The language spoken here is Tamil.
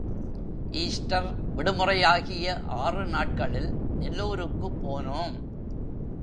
ஈஸ்டர் விடுமுறையாகிய ஆறு நாட்களில் நெல்லூருக்குப் போனோம்.